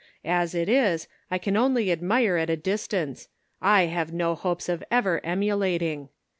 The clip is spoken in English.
As it is, I can only admire at a distance ; I have no hopes of ever emulating.